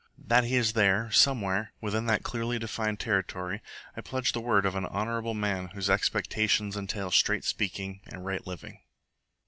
That he is there, somewhere, within that clearly defined territory, I pledge the word of an honourable man whose expectations entail straight speaking and right living.